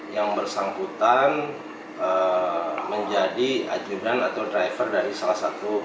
yang bersangkutan menjadi ajudan atau driver dari salah satu